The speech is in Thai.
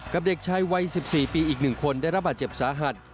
กับเด็กชายวัย๑๔ปีอีกหนึ่งคนได้รับอาจเจ็บสาหัส